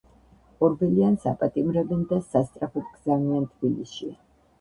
ორბელიანს აპატიმრებენ და სასწრაფოდ გზავნიან თბილისში.